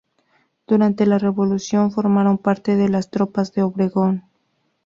Durante la revolución formaron parte de las tropas de Obregón.